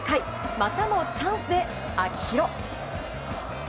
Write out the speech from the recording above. またもチャンスで、秋広。